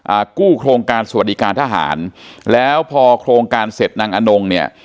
กู้โครงการสวัสดิการทหารแล้วพอโครงการเสร็จนางอนงเนี่ย